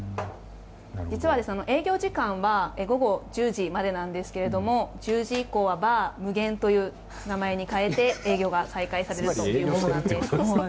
実は営業時間は午後１０時までなんですけども１０時以降は「バー無限」という名前に変えて営業が再開されるということです。